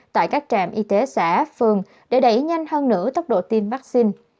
tại các trạm y tế xã phường để đẩy nhanh hơn nữa tốc độ tiêm vaccine